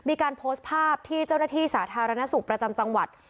มีการโพสต์ภาพที่เจ้าหน้าที่สาธารณสุขประจำจังหวัด